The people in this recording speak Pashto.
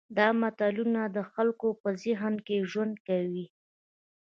دا ملتونه د خلکو په ذهن کې ژوند کوي.